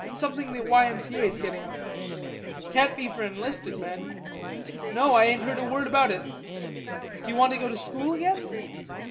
Something the Y. M. C. A.'s getting up." "Can't be for enlisted men. No I ain't heard a word about it. D'you want to go to school again?"